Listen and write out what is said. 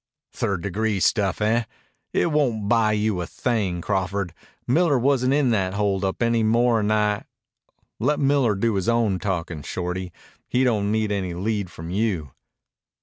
"Third degree stuff, eh? It won't buy you a thing, Crawford. Miller wasn't in that hold up any more'n I " "Let Miller do his own talkin', Shorty. He don't need any lead from you."